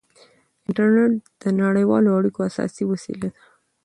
انټرنېټ د نړیوالو اړیکو اساسي وسیله ده.